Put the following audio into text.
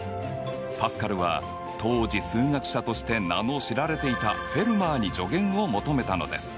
パスカルは当時数学者として名の知られていたフェルマーに助言を求めたのです。